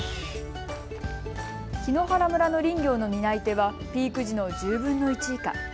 檜原村の林業の担い手はピーク時の１０分の１以下。